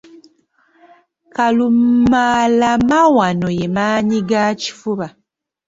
Kalumalamawano ye maannyi ga kifuba.